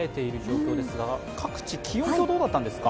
各地気温はどうだったんですか。